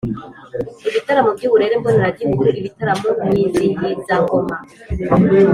Ibitaramo by’uburere mboneraagihugu, Ibitaramo nyizihizangoma